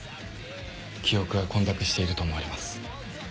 記憶が混濁していると思われます。